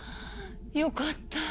よかった。